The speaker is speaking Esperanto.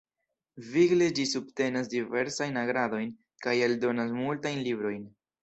Vigle ĝi subtenas diversajn agadojn kaj eldonas multajn librojn.